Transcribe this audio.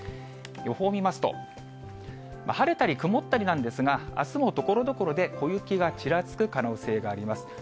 予報を見ますと、晴れたり曇ったりなんですが、あすもところどころで小雪がちらつく可能性があります。